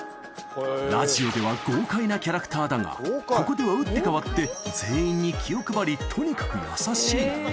ラジオでは豪快なキャラクターだが、ここでは打って変わって、全員に気を配り、とにかく優しい。